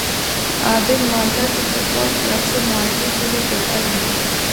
عادل Malta کے football club سے معاہدے کے لیے پرعزم